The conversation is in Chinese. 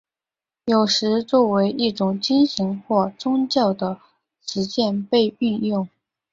有时作为一种精神或宗教的实践被运用。